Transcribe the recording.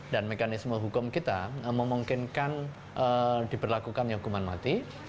dan mekanisme hukum kita memungkinkan diberlakukan hukuman mati